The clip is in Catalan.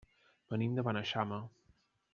Venim de Beneixama.